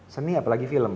seni apalagi film